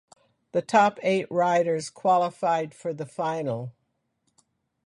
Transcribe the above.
The top eight riders qualified for the final.